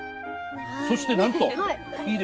そしてなんといいですか？